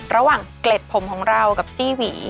ระหว่างเกร็ดผมของเรากับสี่หวี